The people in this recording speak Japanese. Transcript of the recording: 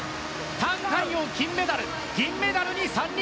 タン・カイヨウ、金メダル銀メダルに３人。